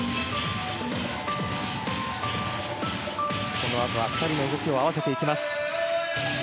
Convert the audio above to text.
このあとは２人の動きを合わせていきます。